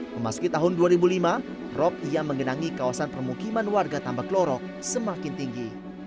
memasuki tahun dua ribu lima rop yang menggenangi kawasan permukiman warga tambak lorok semakin tinggi